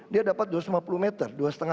dia dapat dua ratus lima puluh meter